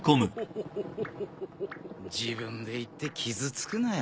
自分で言って傷つくなよ。